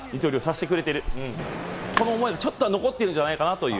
この思い、ちょっとは残ってるんじゃないかなと。